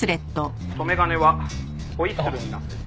「留め金はホイッスルになってる」